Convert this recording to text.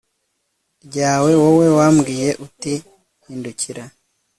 ryawe, wowe wambwiye uti hindukira